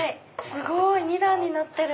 すごい！２段になってる。